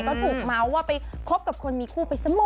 ก็ถูกเมาส์ว่าไปคบกับคนมีคู่ไปเสมอ